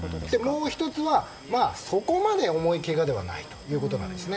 もう１つは、そこまで重いけがではないということですね。